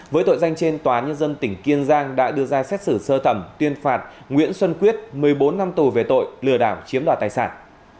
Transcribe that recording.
với tội danh trên tòa nhân dân tỉnh kiên giang đã đưa ra xét xử sơ thẩm tuyên phạt nguyễn xuân quyết một mươi bốn năm tù về tội lừa đảo chiếm đoạt tài sản